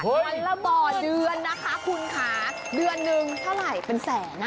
วันละบ่อเดือนนะคะคุณค่ะเดือนหนึ่งเท่าไหร่เป็นแสนอ่ะ